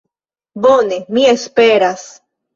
Bone, mi esperas.